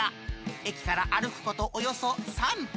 駅から歩くことおよそ３分。